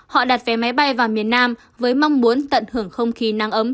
họ đặt vé máy bay vào miền nam với mong muốn tận hưởng không khí nắng ấm